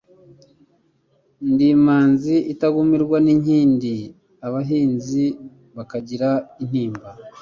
ndi imanzi itagumirwa n'inkindi, abahizi bakagira intimba.